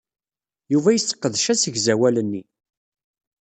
Yuba yesseqdec asegzawal-nni.